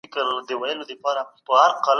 مشران به د ملي اتفاق د ساتلو لپاره هڅي کوي.